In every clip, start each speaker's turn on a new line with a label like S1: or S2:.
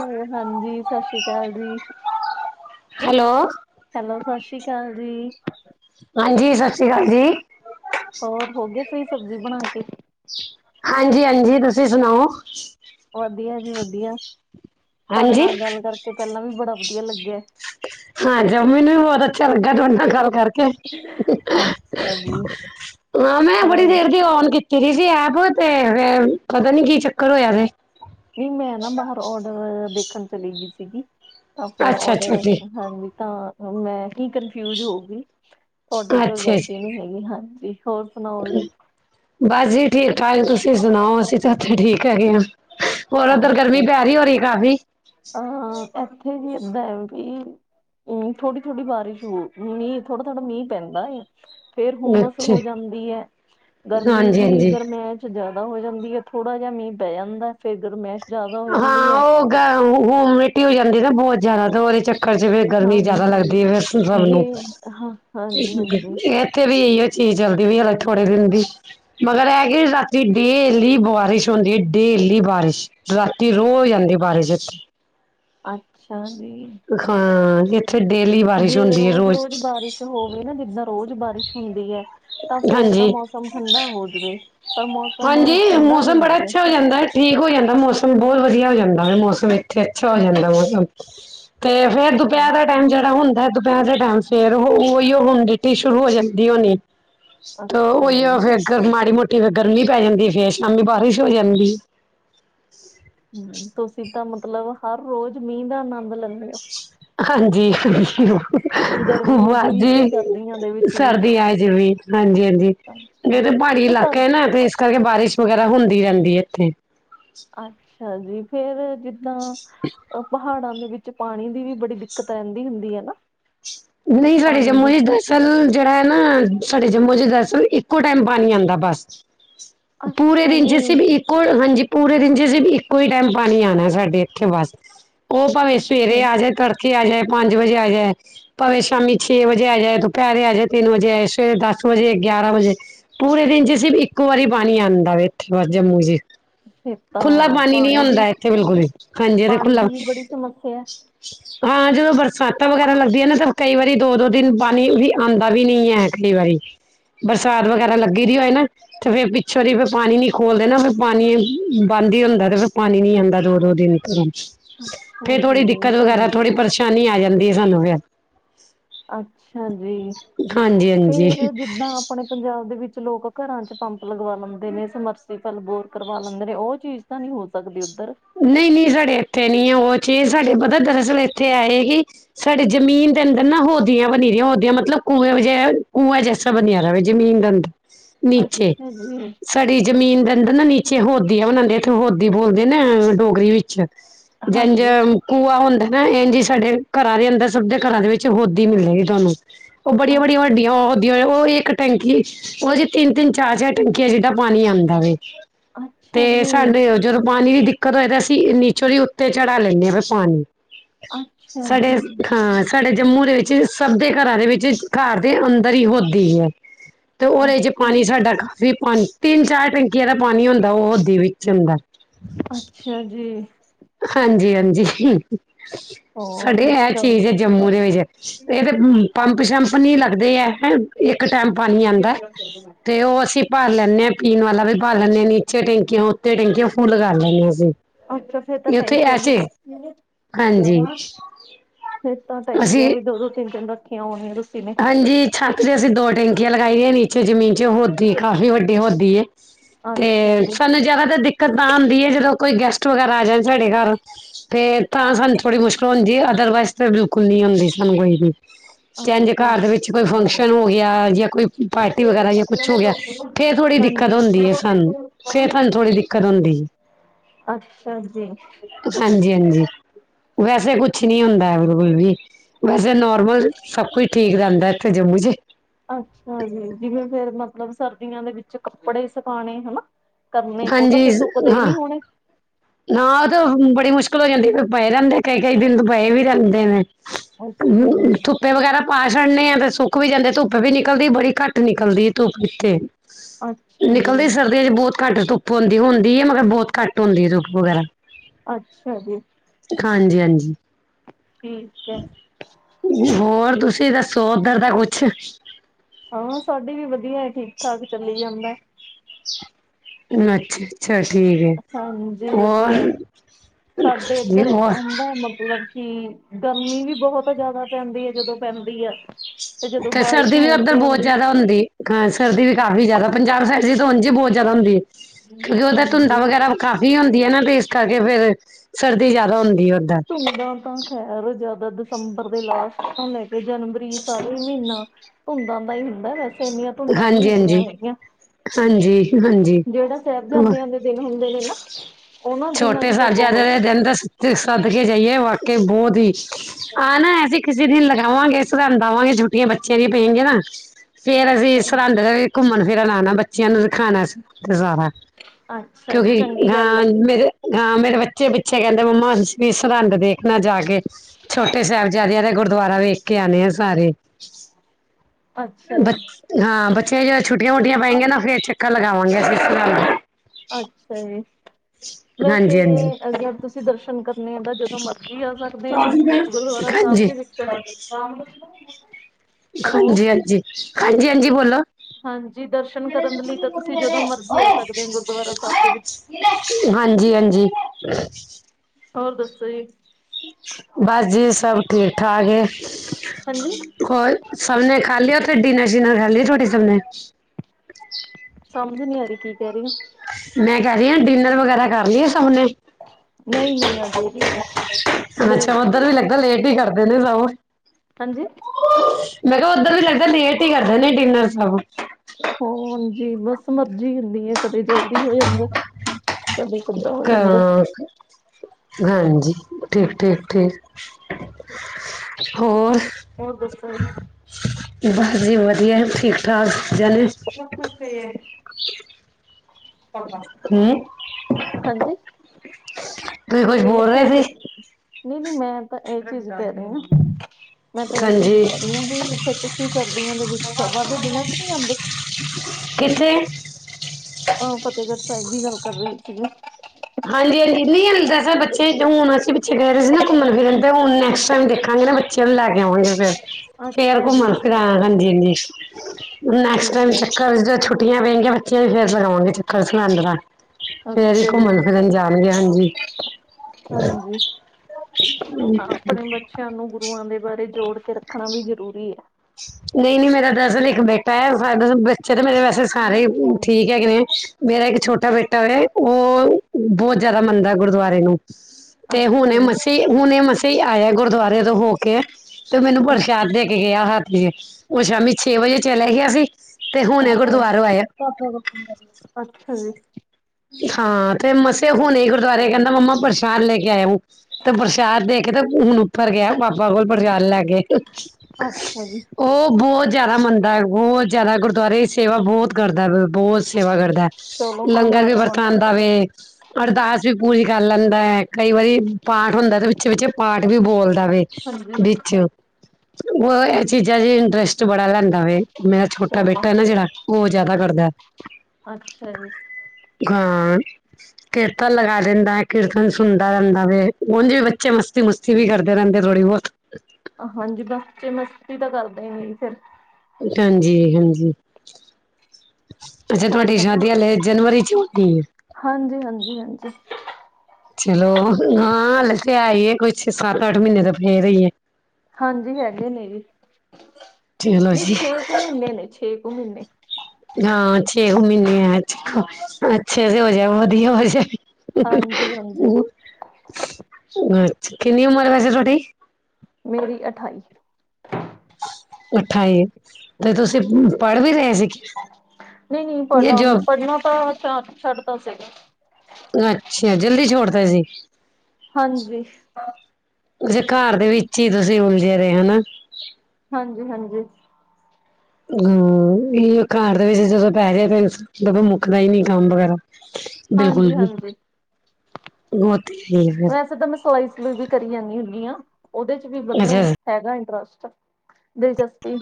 S1: ਹ ਹਾਂਜੀ ਸਤਿ ਸ਼੍ਰੀ ਅਕਾਲ ਜੀ।
S2: ਹੈਲੋ
S1: ਹੈਲੋ ਸਤਿ ਸ਼੍ਰੀ ਅਕਾਲ ਜੀ।
S2: ਹਾਂਜੀ ਸਤਿ ਸ਼੍ਰੀ ਅਕਾਲ ਜੀ।
S1: ਹੋਰ ਹੋਗੇ ਫ੍ਰੀ ਸਬਜ਼ੀ ਬਣਾ ਕੇ।
S2: ਹਾਂਜੀ-ਹਾਂਜੀ ਤੁਸੀਂ ਸੁਣਾਓ।
S1: ਵਦੀਆ ਜੀ ਵਦੀਆ, ਤੁਹਾਡੇ
S2: ਹਾਂਜੀ
S1: ਨਾਲ ਗੱਲ ਕਰਕੇ ਪਹਿਲਾਂ ਵੀ ਬੜਾ ਵਦੀਆ ਲੱਗਿਆ।
S2: ਹਾਂਜੀ ਮੈਨੂੰ ਵੀ ਬੋਤ ਅੱਛਾ ਲੱਗਾ ਤੁਆਡੇ ਨਾਲ ਗੱਲ ਕਰਕੇ।
S1: ਅੱਛਾ ਜੀ।
S2: ਹਾਂ ਮੈਂ ਬੜੀ
S1: ਹੋਰ
S2: ਦੇਰ ਦੀ ਔਨ ਕੀਤੀ ਰਹੀ ਸੀ ਐਪ ਤੇ ਫੇਰ ਪਤਾ ਨੀ ਕੀ ਚੱਕਰ ਹੋਏਆ ਵੇ।
S1: ਨਈ ਮੈਂ ਨਾ ਬਾਹਰ ਔਡਰ ਦੇਖਨ ਚਲੀ ਗਈ ਸੀਗੀ ਤਾਂ ਫੇਰ
S2: ਅੱਛਾ ਅੱਛਾ
S1: ਔਡਰ
S2: ਜੀ
S1: ਹਾਂਜੀ ਤਾਂ ਮੈਂ ਕੀ ਕਨਫਿਊਜ ਹੋਗੀ, ਤੁਹਾਡਾ ਕੋਈ
S2: ਅੱਛਾ ਜੀ
S1: ਗਲਤੀ ਨਈ ਹੈਗੀ ਹਾਂਜੀ। ਹੋਰ ਸੁਣਾਓ ਜੀ
S2: ਬਸ ਜੀ ਠੀਕ-ਠਾਕ ਤੁਸੀਂ ਸੁਣਾਓ ਅਸੀਂ ਤਾਂ ਏਥੇ ਠੀਕ ਹੈਗੇ ਆਂ। ਹੋਰ ਓਦਰ ਗਰਮੀ ਪੈ ਰਹੀ ਹੋ ਰਈ ਕਾਫ਼ੀ।
S1: ਹਾਂ ਏਥੇ ਵੀ ਏਦਾਂ ਵੀ ਹੂੰ ਥੋੜੀ-ਥੋੜੀ ਬਾਰਿਸ਼ ਹੋ ਮੀਂਹ ਥੋੜਾ-ਥੋੜਾ ਮੀਂਹ ਪੈਂਦਾ ਏ। ਫੇਰ ਹੁੁੰਮਸ
S2: ਅੱਛਾ
S1: ਹੋ ਜਾਂਦੀ ਐ, ਗਰਮੀ
S2: ਹਾਂਜੀ
S1: ਵੀ
S2: ਹਾਂਜੀ
S1: ਗਰਮੈਸ਼ ਜ਼ਿਆਦਾ ਹੋ ਜਾਂਦੀ ਐ ਥੋੜਾ ਜਾ ਮੀਂਹ ਪੈ ਜਾਂਦਾ ਫਿਰ ਗਰਮੈਸ਼ ਜ਼ਿਆਦਾ ਹੋ
S2: ਹਾਂ
S1: ਜਾਂਦੀ ਹੈ
S2: ਓ ਗ ਹੋਮ ਮਿਟੀ ਹੋ ਜਾਂਦੀ ਨਾ ਬੋਤ ਜ਼ਾਦਾ ਤਾਂ ਓਦੇ ਚ ਅਜ ਫੇਰ ਗਰਮੀ ਜ਼ਾਦਾ
S1: ਹਾਂਜੀ
S2: ਲੱਗਦੀ ਏ ਫੇਰ ਤੂੰ
S1: ਜੇ
S2: ਸਾਨੂੰ
S1: ਹਾਂ ਹਾਂਜੀ
S2: [unintelligible] ਤੇ
S1: ਹਾਂਜੀ
S2: ਏਥੇ ਵੀ ਏਹੀਓ ਚੀਜ਼ ਚੱਲਦੀ ਵੀ ਹਾਲੇ ਥੋੜੇ ਦਿਨ ਦੀ। ਮਗਰ ਐ ਕਿ ਰਾਤੀ ਡੇਲੀ ਬਾਰਿਸ਼ ਹੁੰਦੀ ਏ ਡੇਲੀ ਬਾਰਿਸ਼। ਰਾਤੀ ਰੋਜ਼ ਆਂਦੀ ਏ ਬਾਰਿਸ਼ ਏਥੇ।
S1: ਅੱਛਾ ਜੀ।
S2: ਹਾਂ ਏਥੇ ਡੇਲੀ ਬਾਰਿਸ਼ ਹੁੰਦੀ ਐ ਰੋਜ਼।
S1: ਹੋਵੇ ਨਾ ਜਿੱਦਾਂ ਰੋਜ਼ ਬਾਰਿਸ਼ ਹੁੰਦੀ ਐ। ਤਾਂ ਫੇਰ ਤਾਂ
S2: ਹਾਂਜੀ
S1: ਮੌਸਮ ਠੰਡਾ ਹੋ ਜਵੇ, ਪਰ ਮੌਸਮ
S2: ਹਾਂਜੀ
S1: ਠੰਡਾ ਨੀ
S2: ਮੌਸਮ
S1: ਹੋ
S2: ਬੜਾ
S1: ਰਿਆ।
S2: ਅੱਛਾ ਜਾਂਦਾ ਹੈ ਠੀਕ ਹੋ ਜਾਂਦਾ ਮੌਸਮ ਬਹੋਤ ਵਦੀਆ ਹੋ ਜਾਂਦਾ ਵਾ ਮੌਸਮ ਇੱਥੇ ਅੱਛਾ ਹੋ ਜਾਂਦਾ ਵਾ ਮੌਸਮ। ਤੇ ਫੇਰ ਦੁਪੈਰ ਦਾ ਟੈਮ ਜੇੜਾ ਹੁੰਦਾ ਦੁਪੈਰ ਦੇ ਟੈਮ ਫੇਰ ਓਹੋ ਓਹੀਓ ਹੁੰਮਡਿਟੀ ਸ਼ੁਰੂ ਹੋ ਜਾਂਦੀ ਹੋਣੀ। ਤੇ
S1: ਅੱਛਾ ਜੀ
S2: ਓਹੀਓ ਫੇਰ ਮਾੜੀ ਮੋਟੀ ਫੇਰ ਗਰਮੀ ਪੈ ਜਾਂਦੀ ਫੇਰ ਸ਼ਾਮੀ ਬਾਰਿਸ਼ ਹੋ ਜਾਂਦੀ ਐ।
S1: ਹੂੰ ਤੁਸੀਂ ਤਾਂ ਮਤਲਬ ਹਰ ਰੋਜ਼ ਮੀਂਹ ਦਾ ਆਨੰਦ ਲੈਂਦੇ ਹੋ।
S2: ਹਾਂਜੀ।
S1: ਗਰਮੀਆਂ ਚ
S2: ਬਸ
S1: ਵੀ ਤੇ
S2: ਜੀ
S1: ਸਰਦੀਆਂ ਦੇ ਵਿੱਚ ਵੀ
S2: ਸਰਦੀ ਆਏ ਜਿਵੇਂ ਹਾਂਜੀ-ਹਾਂਜੀ। ਏਹ
S1: ਅੱਛਾ
S2: ਤੇ ਪਹਾੜੀ
S1: ਸਰ
S2: ਇਲਾਕਾ ਨਾ ਤੇ ਏਸ ਕਰਕੇ ਬਾਰਿਸ਼ ਵਗੈਰਾ ਹੁੰਦੀ ਰੈਂਦੀ ਐਥੇ।
S1: ਅੱਛਾ ਜੀ ਫੇਰ ਜਿੱਦਾਂ ਪਹਾੜਾਂ ਦੇ ਵਿੱ ਵਿਚ ਪਾਨੀ ਦੀ ਵੀ ਬੜੀ ਦਿੱਕਤ ਰੈਂਦੀ ਹੁੰਦੀ ਐ ਨਾ।
S2: ਨਈ ਸਾਡੇ
S1: ਪਾਣੀ
S2: ਜੰਮੂ
S1: ਦੀ
S2: ਚ ਦੋ ਸਲ ਜੇੜਾ ਐ ਨਾ ਸਾਡੇ ਜੰਮੂ ਚ ਦਰਸਲ ਇੱਕੋ ਟੈਮ ਪਾਣੀ ਆਂਦਾ ਬਸ। ਪੂਰੇ
S1: ਅੱਛਾ
S2: ਦਿਨ ਚ
S1: ਜੀ
S2: ਸਿਬ ਇਕ ਕੁਲ ਹਾਂਜੀ ਪੂਰੇ ਦਿਨ ਚ ਸਿਬ ਇੱਕੋ ਈ ਟੈਮ ਪਾਨੀ ਆਨਾ ਸਾਡੇ ਏਥੇ ਬਸ। ਓ ਭਾਵੇਂ ਸਵੇਰੇ
S1: ਅੱਛਾ
S2: ਆ ਜਾਏ ਤੜਕੇ ਆ ਜਾਏ ਪੰਜ ਵਜੇ ਆ ਜਾਏ। ਭਾਵੇ ਸ਼ਾਮੀ ਛੇ ਵਜੇ ਆ ਜਾਏ ਦੁਪੈਰੇ ਆ ਜਾਏ ਤਿੰਨ ਵਜੇ ਆਏ ਸਵੇਰੇ ਦਸ ਵਜੇ ਗਿਆਰਾਂ ਵਜੇ ਪੂਰੇ ਦਿਨ ਚ ਸਿਬ ਇੱਕੋ ਵਾਰੀ ਪਾਨੀ ਆਂਦਾ ਵੇ ਏਥੇ ਬਸ ਜੰਮੂ ਜੀ।
S1: ਫਿਰ
S2: ਖੁੱਲਾ
S1: ਤਾਂ
S2: ਪਾਨੀ ਨੀ
S1: ਪਾਣੀ ਦੀ
S2: ਔਂਦਾ ਇੱਥੇ ਬਿਲਕੁਲ ਵੀ ਹਾਂਜੀ ਏ ਤੇ
S1: ਪਾਣੀ
S2: ਖੁੱਲਾ
S1: ਦੀ ਵੀ ਬੜੀ ਸਮੱਸਿਆ ਹੈ।
S2: ਹਾਂ ਜਦੋਂ ਬਰਸਾਤਾਂ ਵਗੈਰਾ ਲੱਗਦੀਆਂ ਨਾ ਤਾਂ ਕਈ ਵਾਰੀ ਦੋ-ਦੋ ਦਿਨ ਪਾਨੀ ਵੀ ਆਂਦਾ ਵੀ ਨਈ ਐ ਕਈ ਵਾਰੀ, ਬਰਸਾਤ
S1: ਅੱਛਾ
S2: ਵਗੈਰਾ ਲੱਗ ਗਿਰੀ ਹੋਏ ਨਾ ਤੇ ਫੇਰ ਪਿੱਛੋਂ ਦੀ ਫੇਰ ਪਾਨੀ ਨੀ ਖੋਲਦੇ ਨਾ ਫਿਰ ਪਾਨੀ ਬੰਦ ਈ ਹੁੰਦਾ ਤੇ ਫਿਰ ਪਾਨੀ ਨੀ ਆਂਦਾ ਦੋ-ਦੋ ਦਿਨ। [inaudible]
S1: ਅੱਛਾ
S2: ਫੇਰ ਥੋੜ੍ਹੀ
S1: ਜੀ
S2: ਦਿੱਕਤ
S1: ਫਿਰ
S2: ਵਗੈਰਾ ਥੋੜ੍ਹੀ ਪਰੇਸ਼ਾਨੀ ਆ ਜਾਂਦੀ ਏ, ਸਾਨੂੰ ਫੇਰ।
S1: ਅੱਛਾ ਜੀ,
S2: ਹਾਂਜੀ ਹਾਂਜੀ
S1: ਫੇਰ ਜਿੱਦਾਂ ਆਪਣੇ ਪੰਜਾਬ ਦੇ ਵਿੱਚ ਲੋਕ ਘਰਾਂ 'ਚ ਪੰਪ ਲਗਵਾ ਲੈਂਦੇ ਨੇ, ਸਮਰਸੀ ਬਲ ਬੋਰ ਕਰਵਾ ਲੈਂਦੇ ਨੇ, ਉਹ ਚੀਜ਼ ਇਹ ਤਾਂ ਨੀ ਹੋ ਸਕਦੀ ਏਧਰ,
S2: ਨਹੀਂ, ਨਹੀ ਸਾਡੇ ਇੱਥੇ ਨੀ ਐ, ਉਹ ਚੀਜ਼ ਸਾਡੇ ਪਤਾ ਦਰਅਸਲ ਇੱਥੇ ਆਏ ਸੀ ਸਾਡੇ ਜ਼ਮੀਨ ਦੇ ਅੰਦਰ ਨਾ ਹੋਦੀਆਂ ਬਣੀਆ ਹੋਈਆਂ ਹੋਦੀਆ ਮਤਲਬ ਕੂਏ ਵਗੈਰਾ ਕੂਏ ਜੈਸੇ ਤਾ ਬਣਿਆ ਰਵੇ ਜਮੀਨ ਦੇ ਅੰਦਰ, ਨੀਚੇ,
S1: ਅੱਛਾ ਜੀ
S2: ਸਾਡੀ ਜ਼ਮੀਨ ਦੇ ਅੰਦਰ ਨਾ ਨੀਚੇ ਹੋਦੀਆ ਬਣਾਦੇ ਇੱਥੇ ਹੋਦੀ ਬੋਲਦੇ ਨਾ ਹਾਂ ਡੋਗਰੀ ਵਿੱਚ, ਜੇਂਝ
S1: ਹਾਂਜੀ
S2: ਕੂਆ ਹੁੰਦਾ ਨਾ, ਇੰਝ ਈ ਸਾਡੇ ਘਰਾਂ ਦੇ ਅੰਦਰ ਸਭ ਦੇ ਘਰਾਂ ਦੇ ਵਿੱਚ ਹੋਦੀ ਮਿਲੇਗੀ ਤੁਹਾਨੂੰ। ਉਹ
S1: ਅ
S2: ਬੜੀਆਂ, ਬੜੀਆਂ ਹੋ ਡੀਆਂ ਹੋਦੀਆ ਉਹ ਇੱਕ ਟੈਂਕੀ ਉਦੇ ਚ ਤਿੰਨ, ਤਿੰਨ ਚਾਰ, ਚਾਰ ਟੈਂਕੀਆ ਜਿੱਡਾ ਪਾਣੀ ਆਂਦਾ ਵੇ, 'ਤੇ
S1: ਅੱਛਾ ਜੀ
S2: ਸਾਡੇ ਜਦੋਂ ਪਾਣੀ ਦੀ ਦਿੱਕਤ ਹੋਏ 'ਤੇ ਅਸੀਂ ਨੀਚੋਂ ਦੀ ਉੱਤੇ ਚੜਾ ਲੈਂਨੇ ਆ, ਫੇਰ ਪਾਣੀ,
S1: ਅੱਛਾ ਜੀ
S2: ਸਾਡੇ ਹਾਂ ਸਾਡੇ ਜੰਮੂ ਦੇ ਵਿੱਚ ਸਭ ਦੇ ਘਰਾਂ ਦੇ ਵਿੱਚ ਘਰ ਦੇ ਅੰਦਰ ਈ ਹੋਦੀ ਐ, 'ਤੇ ਉਹਦੇ 'ਚ
S1: ਅੱਛਾ
S2: ਪਾਣੀ ਸਾਡਾ ਕਾਫ਼ੀ ਪਾਣ ਤਿੰਨ, ਚਾਰ ਟੈਂਕੀਆਂ ਦਾ ਪਾਣੀ ਹੁੰਦਾ ਹੋਦੀ ਵਿੱਚ ਹੁੰਦਾ।
S1: ਅੱਛਾ ਜੀ।
S2: ਹਾਂਜੀ, ਹਾਂਜੀ ਹ ਸਾਡੇ
S1: ਹੋਰ
S2: ਏ
S1: ਚਲ
S2: ਚੀਜ਼ ਏ ਜੰਮੂ ਦੇ ਵਿੱਚ ਇਹਦੇ ਪੰਪ ਸ਼ੰਪ ਨੀ ਲੱਗਦੇ ਐ, ਹ ਇੱਕ ਟਾਈਮ ਪਾਣੀ ਆਂਦਾ 'ਤੇ ਉਹ ਅਸੀਂ ਭਰ ਲੈਂਨੇ ਆ, ਪੀਣ ਵਾਲਾ ਵੀ ਭਰ ਲੈਂਨੇ ਆ, ਨੀਚੇ ਟੈਂਕੀਆਂ ਉੱਤੇ ਟੈਂਕੀਆਂ ਫੁੱਲ ਕਰ ਲੈਂਨੇ ਆ ਅਸੀਂ।
S1: ਅੱਛਾ ਫਿਰ ਤਾਂ
S2: ਉੱਥੇ
S1: ਟੈਂਕੀਆ ਵੀ
S2: ਐਸੇ ਹਾਂਜੀ
S1: ਜ਼ਮਾ, ਫਿਰ ਤਾਂ ਟੈਂਕੀਆਂ
S2: ਅਸੀਂ
S1: ਵੀ ਦੋ-ਦੋ ਤਿੰਨ-ਤਿੰਨ ਰੱਖੀਆਂ ਹੋਣੀਆਂ ਤੁਸੀਂ ਨੇ,
S2: ਹਾਂਜੀ ਛੱਤ 'ਤੇ ਅਸੀਂ ਦੋ ਟੈਂਕੀਆਂ ਲਗਾਈਆ ਏ ਨੀਚੇ ਜ਼ਮੀਨ 'ਚ ਹੋਦੀ ਕਾਫ਼ੀ ਵੱਡੀ ਹੋਦੀ ਏ। 'ਤੇ
S1: ਅੱਛਾ ਜੀ
S2: ਸਾਨੂੰ ਜਿਆਦਾ ਤਰ ਦਿੱਕਤ ਤਾਂ ਹੁੰਦੀ ਏ ਜਦੋਂ ਕੋਈ ਗੈਸਟ, ਵਗੈਰਾ ਆ ਜਾਣ ਸਾਡੇ ਘਰ 'ਤੇ ਤਾਂ ਸਾਨੂੰ ਥੋੜੀ ਮੁਸ਼ਕਲ ਹੁੰਦੀ ਏ, ਅਦਰਵਾਈਜ਼ 'ਤੇ ਬਿਲਕੁੱਲ ਨੀ ਹੁੰਦੀ। ਸਾਨੂੰ ਕੋਈ ਵੀ, ਚਝ
S1: ਅੱਛਾ
S2: ਘਰ ਦੇ
S1: ਜੀ
S2: ਵਿੱਚ ਕੋਈ ਫੰਕਸ਼ਨ ਹੋ ਗਿਆ, ਜਾਂ ਕੋਈ ਪਾਰਟੀ ਵਗੈਰਾ ਜਾਂ ਕੁਛ ਹੋ ਗਿਆ, ਫੇਰ ਥੋੜ੍ਹੀ ਦਿੱਕਤ
S1: ਹਾਂਜੀ
S2: ਹੁੰਦੀ ਏ। ਹਾਂਜੀ ਫੇਰ ਸਾਨੂੰ ਥੋੜੀ ਦਿੱਕਤ ਹੁੰਦੀ ਏ।
S1: ਅੱਛਾ ਜੀ।
S2: ਹਾਂਜੀ-ਹਾਂਜੀ, ਵੈਸੇ ਕੁਛ ਨੀ ਹੁੰਦਾ ਬਿਲਕੁਲ ਵੀ, ਵੈਸੇ ਨੋਰਮਲ ਸਭ ਕੁਝ ਠੀਕ ਰਹਿੰਦੈ ਇੱਥੇ ਜੰਮੂ ਚ
S1: ਅੱਛਾ ਜੀ! ਜਿਵੇਂ ਫੇਰ ਮਤਲਬ ਸਰਦੀਆਂ ਦੇ ਵਿੱਚ ਕੱਪੜੇ ਸੁਕਾਉਣੇ ਹਨਾ ਕਰਨੇ ਉਹ ਤਾਂ
S2: ਹਾਂਜੀ
S1: ਫੇਰ ਸੁੱਕਦੇ ਹੀ
S2: ਹਾਂ
S1: ਨੀ ਹੋਣੇ,
S2: ਨਾ ਉਹ ਤੇ ਬੜੀ ਮੁਸ਼ਕਲ ਹੋ ਜਾਂਦੀ, ਪਏ ਰਹਿੰਦੇ ਕਈ- ਕਈ ਦਿਨ ਤੋਂ ਪਏ ਵੀ ਰਹਿੰਦੇ ਨੇ
S1: ਅੱਛਾ ਜੀ
S2: [unintelligible] ਧੁੱਪੇ ਵਗੈਰਾ ਪਾ ਛਡਨੇ ਆ, ਤੇ ਸੁੱਕ ਵੀ ਜਾਂਦੇ ਧੁੱਪ ਵੀ ਨਿਕਲਦੀ ਬੜੀ ਘੱਟ ਨਿਕਲਦੀ ਐ ਧੁੱਪ ਇਥੇ।
S1: ਅੱਛਾ ਜੀ।
S2: ਨਿਕਲਦੀ ਸਰਦੀਆਂ ਚ ਬਹੁਤ ਘੱਟ ਧੁੱਪ ਹੁੰਦੀ, ਹੁੰਦੀ ਏ ਮਗਰ ਬਹੁਤ ਘੱਟ ਹੁੰਦੀ ਏ ਧੁੱਪ ਵਗੈਰਾ,
S1: ਅੱਛਾ ਜੀ!
S2: ਹਾਂਜੀ-ਹਾਂਜੀ।
S1: [inaudible]
S2: ਹੋਰ ਤੁਸੀਂ ਦੱਸੋ ਉੱਧਰ ਦਾ ਕੁਛ?
S1: ਹਾਂ ਸਾਡੀ ਵੀ ਵਧੀਆ ਐ ਠੀਕ-ਠਾਕ ਚੱਲੀ ਜਾਂਦਾ,
S2: ਅੱਛਾ। ਅੱਛਾ ਠੀਕ ਏ,
S1: ਹਾਂਜੀ
S2: ਹੋਰ
S1: ਵਧੀਆ।
S2: ਜ ਹੋ
S1: ਹੂ ਗਰਮੀ ਵੀ ਬਹੁਤ ਜਿਆਦਾ ਪੈਂਦੀ ਐ ਜਦੋਂ ਪੈਂਦੀ ਆ। ਜਦੋਂ
S2: ਤੇ
S1: ਬਾਰਿਸ਼
S2: ਸਰਦੀ ਵੀ
S1: ਹੋਣ
S2: ਉੱਧਰ
S1: ਤੇ
S2: ਬਹੁਤ
S1: ਆਉਂਦੀ
S2: ਜ਼ਿਆਦਾ ਹੁੰਦੀ, ਸਰਦੀ ਵੀ ਕਾਫੀ ਜ਼ਿਆਦਾ ਪੰਜਾਬ ਸੈਡ ਚ ਤਾਂ ਉਂਜ ਬਹੁਤ ਜ਼ਿਆਦਾ ਹੁੰਦੀ ਏ, ਕਿਉਂਕਿ ਓਦਰ ਧੁੰਦਾਂ
S1: ਹਾਂਜੀ
S2: ਵਗੈਰਾ ਕਾਫ਼ੀ ਹੁੰਦੀ ਐ ਨਾ ਤੇ ਇਸ ਕਰਕੇ ਫੇਰ ਸਰਦੀ ਜਿਆਦਾ ਹੁੰਦੀ ਐ ਉਧਰ।
S1: ਦਾਂ ਤਾਂ ਖੈਰ ਜਿਆਦਾ ਦਸੰਬਰ ਦੇ ਲਾਸਟ ਤੋਂ ਲੈ ਕੇ ਜਨਵਰੀ ਸਾਰੇ ਈ ਮਹੀਨਾ ਧੁੰਦਾਂ ਦਾ ਈ ਹੁੰਦਾ, ਵੈਸੇ ਇੰਨੀਆਂ ਧੁੰਦਾਂ ਨੀ ਹੁੰਦੀਆਂ ਹੈਗੀਆਂ।
S2: ਹਾਂਜੀ-ਹਾਂਜੀ।
S1: ਜਿਹੜਾ ਸਾਹਿਬਜ਼ਾਦਿਆਂ ਦੇ ਦਿਨ ਹੁੰਦੇ ਨੇ ਨਾ ਉਹਨਾਂ ਦਿਨਾਂ
S2: ਛੋਟੇ
S1: ਚ ਤਾਂ
S2: ਸਾਹਿਬਜਾਦਿਆਂ
S1: ਬਹੁਤ
S2: ਦੇ ਦਿਨ ਦਸ ਸੱਦ ਕੇ ਜਾਈਏ ਵਾਕਈ ਬਹੁਤ ਈ, ਆਹ ਨਾ ਐਸੀ ਕਿਸੇ ਦਿਨ ਲਗਾਵਾਂਗੇ ਸਰੰਦ ਆਵਾਂਗੇ ਛੁੱਟੀਆਂ ਬੱਚਿਆਂ ਦੀਆਂ ਪੈਣਗੀਆਂ ਨਾ, ਫੇਰ ਅਸੀਂ
S1: ਅੱਛਾ ਜੀ
S2: ਸਰੰ ਦ ਘੁੰਮਣ-ਫਿਰਨ ਆਉਣਾ ਬੱਚਿਆਂ ਨੂੰ ਦਖਾਨਾ ਸਾਰਾ।
S1: ਅੱਛਾ ਜੀ
S2: ਕਿਉਂਕਿ
S1: ਚੰਗੀ ਗੱਲ
S2: ਹਾਂ
S1: ਹੈ
S2: ਮੇਰੇ ਹਾਂ ਮੇਰੇ ਬੱਚੇ ਪਿੱਛੇ ਕਹਿੰਦੇ ਮੰਮਾ ਅਸੀਂ ਵੀ ਸਰਹੰਦ ਦੇਖਣਾ ਜਾ ਕੇ। ਛੋਟੇ ਸਾਹਿਬਜ਼ਾਦਿਆਂ ਦਾ ਗੁਰਦੁਆਰਾ ਵੇਖ ਕੇ ਆਉਣੇ ਆ ਸਾਰੇ।
S1: [inaudible]
S2: ਬ
S1: ਜੀ
S2: ਹਾਂ ਬੱਚੇ ਜਦੋਂ ਛੁੱਟੀਆਂ ਵੁਟੀਆਂ ਪਏ ਗੀਆ ਨਾ ਫਿਰ ਚੱਕਰ ਲਗਾਵਾਂਗੇ ਅ
S1: ਅੱਛਾ ਜੀ, ਵੈਸੇ
S2: ਹਾਂਜੀ ਹਾਂਜੀ
S1: ਅਗਰ ਤੁਸ ਜੇ ਦਰਸ਼ਨ ਕਰਨੇ ਆ ਤਾਂ ਜਦੋਂ ਮਰਜੀ ਆ ਸਕਦੇ ਔ, ਗੁਰਦੁਆਰਾ ਸਾਹਿਬ
S2: ਹਾਂਜੀ
S1: ਦੇ ਵਿੱਚ। ਨਾ [inaudible]
S2: ਹਾਂਜੀ-ਹਾਂਜੀ, ਹਾਂਜੀ-ਹਾਂਜੀ ਬੋਲੋ।
S1: ਹਾਂਜੀ ਦਰਸ਼ਨ ਕਰਨ ਲਈ ਤਾਂ ਤੁਸੀਂ ਜਦੋਂ ਮਰਜ਼ੀ ਆ ਸਕਦੇ ਹੋ ਗੁਰਦੁਆਰਾ ਸਾਹਿਬ
S2: ਓਏ-ਓਏ।
S1: ਦੇ ਵਿੱਚ
S2: ਹਾਂਜੀ-ਹਾਂਜੀ।
S1: ਹੋਰ ਦੱਸੋ ਜੀ।
S2: ਬਸ ਜੀ ਸਭ ਠੀਕ ਠਾਕ ਏ।
S1: ਹਾਂਜੀ।
S2: ਹੋਰ ਸਭ ਨੇ ਖਾ ਲਿਆ ਉੱਥੇ ਡਿਨਰ-ਸ਼ਿਨਰ ਖਾ ਲੀ ਰੋਟੀ ਸਭ ਨੇ।
S1: ਸਮਝ ਨੀ ਆ ਰੀ, ਕੀ ਕਹਿ ਰੇ ਓ।
S2: ਮੈਂ ਕਹਿ ਰਹੀ ਆ ਡਿਨਰ ਵਗੈਰਾ ਕਰ ਲੀਆ ਸਭ ਨੇ।
S1: ਨਹੀਂ ਨਹੀਂ ਅਜੇ ਵੀ
S2: ਅੱਛਾ ਉੱਧਰ ਵੀ ਲੱਗਦਾ ਲੇਟ ਈ ਕਰਦੇ ਨੇ ਸਭ ਉਹ।
S1: ਹਾਂਜੀ!
S2: ਮੈਂ ਕਿਹਾ ਉੱਧਰ ਵੀ ਲੱਗਦਾ ਲੇਟ ਈ ਕਰਦੇ ਨੇ ਡਿਨਰ ਸਭ।
S1: ਹਾਜੀ ਬਸ ਮਰਜੀ ਹੁੰਦੀਏ ਕਦੇ ਜਲਦੀ ਹੋ ਜਾਂਦੈ ਕਦੇ ਕਿੱਦਾ।
S2: ਕਿਆ ਹਾਂਜੀ, ਠੀਕ-ਠੀਕ-ਠੀਕ, ਹੋਰ
S1: ਹੋਰ ਦੱਸੋ
S2: ਬਸ ਜੀ ਵਧੀਆ ਐ ਠੀਕ ਠਾਕ ਜਾਣੇ ਹੂੰ
S1: [unintelligible] ਹਾਂਜੀ
S2: ਤੁਸੀਂ ਕੁਛ
S1: ਤੇ
S2: ਬੋਲ
S1: ਫਿਰ
S2: ਰਹੇ ਸੀ
S1: ਨਹੀਂ ਨਹੀਂ ਮੈਂ ਤਾਂ ਇਹ ਚੀਜ਼ ਕਹਿ ਰਹੀ ਆਂ ਮੈਂ ਤਾਂ ਇਹ ਚੀਜ਼
S2: ਹਾਂਜੀ
S1: ਕਹਿ ਰਹੀ ਹਾਂ ਸੀ ਫੇਰ ਤੁਸੀਂ ਸਰਦੀਆਂ ਦੇ ਵਿੱਚ ਹਵਾ ਦੇ ਦਿਨਾਂ ਚ ਨਹੀਂ ਆਉਂਦੇ
S2: ਕਿਥੇ
S1: ਉਹ ਫ਼ਤਿਹਗੜ੍ਹ ਸਾਹਿਬ ਦੀ ਗੱਲ ਕਰ ਰਹੇ ਸੀਗੇ
S2: ਹਾਂਜੀ-ਹਾਂਜੀ ਨਈ ਮਿਲਦਾ ਬੱਚੇ ਹੁਨ ਅਸੀਂ ਪਿੱਛੇ ਕੈ ਰਏ ਸੀ ਨਾ ਘੁੰਮਨ ਫਿਰਨ ਤੇ ਹੁਨ ਨੈਕਸਟ ਟਾਈਮ ਦੇਖਾਂਗੇ ਨਾ ਬੱਚਿਆਂ ਨੂੰ ਲੈ ਕੇ ਆਵਾਂਗੇ ਫੇਰ। ਫੇਰ
S1: ਅੱਛਾ ਜੀ
S2: ਘੁੰਮਨ ਫਿਰਨ
S1: ਅੱਛਾ
S2: ਆਵਾਂਗੇ
S1: ਅੱਛਾ
S2: ਹਾਂਜੀ-ਹਾਂਜੀ, ਨੈਕਸਟ
S1: ਠੀਕ
S2: ਟੈਮ
S1: ਹੈ
S2: ਚੱਕਰ ਚ ਛੁ ਛੁਟੀਆਂ ਪੈਂਗੀਆਂ ਬੱਚਿਆਂ ਵੀ ਫੇਰ-ਫੇਰ ਲਗਾਓਣਗੇ ਚੱਕਰ ਸਰਹੰਦ ਦਾ ਫੇਰ ਈ
S1: ਅੱਛਾ ਜੀ
S2: ਘੁੰਮਨ ਫਿਰਨ ਜਾਨਗੇ ਹਾਂਜੀ।
S1: ਹਾਂਜੀ ਬਚਿਆਂ ਨੂੰ ਗੁਰੂਆਂ ਦੇ ਬਾਰੇ ਜੋੜ ਕੇ ਰੱਖਨਾ ਵੀ ਜ਼ਰੂਰੀ ਐ।
S2: ਨਈ-ਨਈ ਮੇਰਾ ਦਰਅਸਲ ਇੱਕ ਬੇਟਾ ਐ ਸਾਡੇ ਬੱਚੇ ਤੇ ਮੇਰੇ ਵੈਸੇ ਸਾਰੇ ਠੀਕ ਹੈਗੇ ਨੇ। ਮੇਰਾ ਇੱਕ ਛੋਟਾ ਬੇਟਾ ਐ ਓ ਬੋਤ ਜਾਦਾ ਮੰਨਦਾ ਏ ਗੁਰਦੁਆਰੇ ਨੂੰ। ਤੇ
S1: ਅੱਛਾ
S2: ਹੁਣੇ
S1: ਜੀ
S2: ਮਸੀ ਹੁਣੇ ਮਸੀ ਤੇ ਆਇਆ ਗੁਰਦੁਆਰੇ ਤੋਂ ਹੋ ਕੇ, ਤੇ ਮੈਨੂੰ ਪ੍ਰਸ਼ਾਦ
S1: ਅੱਛਾ
S2: ਦੇ ਕੇ ਗੇਆ ਹੱ ਠੀਕ ਐ, ਓ ਸ਼ਾਮੀ ਛੇ ਵਜੇ ਚਲਾ ਗਿਆ ਸੀ। ਤੇ ਹੁਨੇ
S1: ਅੱਛਾ
S2: ਗੁਰਦੁਆਰੋ ਆਇਆ।
S1: ਅੱਛਾ ਜੀ
S2: ਹਾਂ ਤੇ ਮਸੇ ਹੁਨੇ ਗੁਰਦੁਆਰੇ ਕਹਿੰਦਾ ਮੰਮਾ ਪ੍ਰਸ਼ਾਦ ਲੈ ਕੇ ਆਏਆ ਊਂ। ਤੇ ਪ੍ਰਸ਼ਾਦ ਦੇ ਕੇ ਤੇ ਹੁਨ ਉੱਪਰ ਗਿਆ ਪਾਪਾ ਕੋਲ ਪ੍ਰਸ਼ਾਦ ਲੈ ਕੇ।
S1: ਹੈਂ ਜੀ।
S2: ਉਹ ਬਹੁ ਜਾਦਾ ਮੰਨਦਾ ਏ ਬਹੁ ਜਾਦਾ ਗੁਰਦੁਆਰੇ ਸੀ ਸੇਵਾ ਬਹੁਤ ਕਰਦਾ ਬਹੋਤ ਸੇਵਾ ਕਰਦਾ,
S1: ਚਲੋ
S2: ਲੰਗਰ ਵੀ
S1: ਪਰਮਾਤਮਾ
S2: ਵਰਤਾਂ ਦਾ ਵੇ, ਅਰਦਾਸ ਵੀ ਪੂਰੀ ਕਰ ਲੈਂਦਾ ਐ। ਕਈ ਵਾਰੀ ਪਾਠ ਹੁੰਦਾ ਤੇ ਵਿੱਚੇ-ਵਿੱਚੇ ਪਾਠ ਵੀ ਬੋਲਦਾ ਵੇ
S1: ਹਾਂਜੀ
S2: ਵਿੱਚ ਓ ਏਹ ਚੀਜ਼ਾਂ ਚ ਇੰਟਰਸਟ ਬੜਾ ਲੈਂਦਾ ਵੇ। ਮੇਰਾ ਛੋਟਾ
S1: ਚਲੋ
S2: ਬੇਟਾ ਐ ਨਾ ਜੇੜਾ ਓ ਜ਼ਾਦਾ ਕਰਦਾ।
S1: ਅੱਛਾ ਜੀ
S2: ਹਾਂ। ਕੀਰਤਨ ਲਗਾ ਦਿੰਦਾ। ਐ ਕੀਰਤਨ ਸੁਨਦਾ ਰੈਂਦਾ ਵੇ ਉੰਝ ਵੀ ਬੱਚੇ ਮਸਤੀ ਮੁਸ ਤੀ ਵੀ ਕਰਦੇ ਰੈਂਦੇ ਥੋੜੀ ਬੋਤ।
S1: ਹਾਂਜੀ ਬੱਚੇ ਮਸਤੀ ਤਾਂ ਕਰਦੇ ਈ ਨੇ ਫੇਰ।
S2: ਹਾਂਜੀ-ਹਾਂਜੀ। ਅੱਛਾ
S1: ਹੋਰ
S2: ਤੁਹਾਡੀ ਸ਼ਾਦੀ ਹਲੇ ਜਨਵਰੀ ਚ ਹੋਨੀ ਏ।
S1: ਹਾਂਜੀ-ਹਾਂਜੀ-ਹਾਂਜੀ।
S2: ਚਲੋ ਹਾਂ ਹਲੇੇ ਤੇ ਆਈ ਏ ਕੁੱਛ ਸੱਤ ਅੱਠ ਮਹੀਨੇ ਦਾ ਫੇਰ ਈ। ਏ।
S1: ਹਾਂਜੀ ਹੈਗੇ ਨੇ ਜੀ,
S2: ਚਲੋ
S1: ਨਈ
S2: ਜੀ
S1: ਛੇ ਕੁ ਮੀਨੇ ਨੇ ਛੇ ਕੁ ਮੀਨੇ।
S2: ਹਾਂ ਛੇ ਕੁ ਮੀਨੇ ਐ, ਅੱਛੇ ਸੇ ਹੋ ਜਾਏ ਵਦੀਆ ਹੋ ਜਾਏ। ਤੇ
S1: ਹਾਂਜੀ ਹਾਂਜੀ
S2: ਕੁਛ ਅ ਕਿੰਨੀ ਉਮਰ ਐ ਵੈਸੇ ਤੁਹਾਡੀ।
S1: ਮੇਰੀ ਅਠਾਈ
S2: ਅਠਾਈ ਤੇ ਤੁਸੀਂ ਪੜ ਵੀ ਰਏ ਸੀ ਕੀ।
S1: ਨਈ-ਨਈ ਪਟਡੌਨ ਪੜ੍ਹਨਾ ਤਾਂ ਛੱਡਤਾ ਸੀਗਾ।
S2: ਅੱਛੇਆ ਜਲਦੀ ਛੋੜਤਾ ਸੀ।
S1: ਹਾਂਜੀ।
S2: ਉਸੇ ਘਰ ਦੇ ਵਿੱਚ ਈ ਤੁਸੀਂ ਉਲਝੇ ਰਏ ਹਨਾ।
S1: ਹਾਂਜੀ-ਹਾਂਜੀ।
S2: [inaudible] ਏਹ ਘਰ ਦੇ ਵਿੱਚ ਜਦੋਂ ਪੈਜੇ ਫੇਰ ਤੇ ਮੁੱਕਦਾ ਈ ਨੀ ਕੰਮ ਵਗੈਰਾ। ਬਿਲਕੁੱਲ
S1: ਹਾਂਜੀ
S2: ਵੀ,
S1: ਹਾਂਜੀ
S2: ਓ ਤੇ ਹੈ ਫਿਰ।
S1: ਸਲਾਈ ਸਲੂਈ ਵੀ ਕਰੀ ਜਾਂਨੀ ਹੁੰਨੀ ਆਂ, ਓਦੇ ਚ ਵਦੀਆ।
S2: ਅੱਛਾ
S1: ਹੈਗਾ ਇੰਟਰਸਟ, ਦਿਲਚਸਪੀ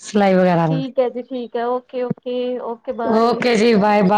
S2: ਸਿਲਾਈ ਵਗੈਰਾ ਨ।
S1: ਕਹਿੰਦੀ ਠੀਕ ਹੈ ਓਕੇ- ਓਕੇ। ਬਾਏ
S2: ਓਕੇ ਜੀ ਬਾਏ- ਬਾਏ।